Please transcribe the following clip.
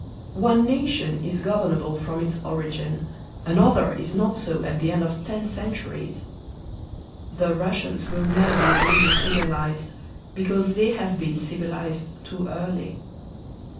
One nation is governable from its origin, another is not so at the end of ten centuries. The Russians will never be really civilized, because they have been civilized too early.